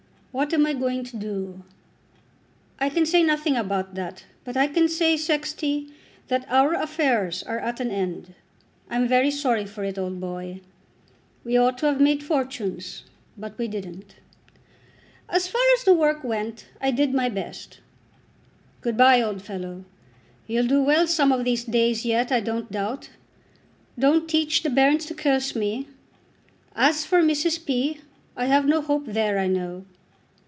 What am I going to do? I can say nothing about that, but I can say, Sexty, that our affairs are at an end. I'm very sorry for it, old boy. We ought to have made fortunes, but we didn't. As far as the work went, I did my best. Good bye, old fellow. You'll do well some of these days yet, I don't doubt. Don't teach the bairns to curse me. As for Mrs. P. I have no hope there, I know."